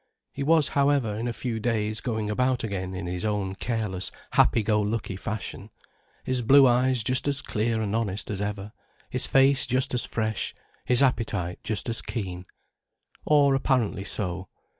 He was, however, in a few days going about again in his own careless, happy go lucky fashion, his blue eyes just as clear and honest as ever, his face just as fresh, his appetite just as keen. Or apparently so.